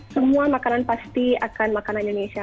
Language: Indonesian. semua makanan pasti akan makanan indonesia